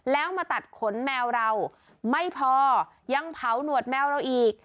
แล้วมาตัดขนแมวเราไม่พอยังเผาหนวดแมวเราอีก